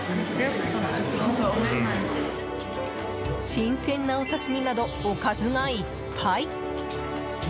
新鮮なお刺し身などおかずがいっぱい！